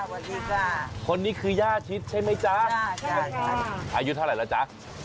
สวัสดีจ้ะคนนี้คือย่าชิดใช่ไหมจ๊ะอายุเท่าไหร่แล้วจ๊ะ